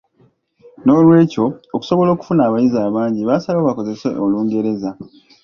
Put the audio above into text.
"Noolwekyo, okusobola okufuna abayizi abangi baasalawo bakozese Olungereza."